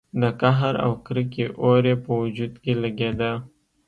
د قهر او کرکې اور يې په وجود کې لګېده.